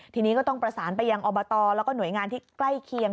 ทีนี้ก็ต้องประสานไปยังอบตแล้วก็หน่วยงานที่ใกล้เคียง